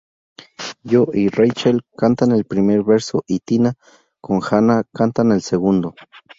Jo y Rachel cantan el primer verso y Tina con Hannah cantan el segundo.